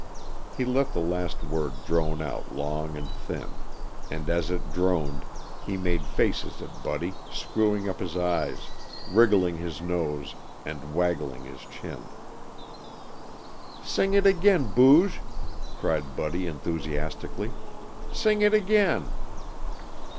He let the last word drone out long and thin, and as it droned he made faces at Buddy, screwing up his eyes, wriggling his nose, and waggling his chin. "Sing it again, Booge!" cried Buddy enthusiastically. "Sing it again."